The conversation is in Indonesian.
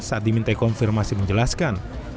saat diminta konfirmasi menjelaskan